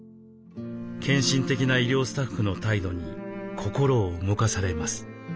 献身的な医療スタッフの態度に心を動かされます。